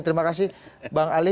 terima kasih bang ali